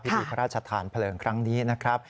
พิธีพระราชทานเพลิงครั้งนี้นะครับ